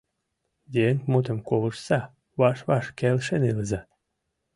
Еҥ мутым колыштса, ваш-ваш келшен илыза!